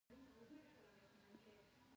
افغانستان د خپلو څلور دېرش ولایتونو کوربه دی.